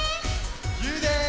ゆうです！